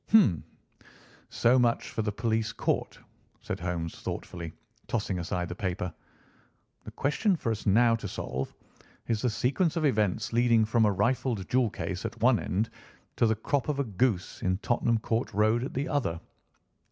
"Hum! So much for the police court," said Holmes thoughtfully, tossing aside the paper. "The question for us now to solve is the sequence of events leading from a rifled jewel case at one end to the crop of a goose in Tottenham Court Road at the other.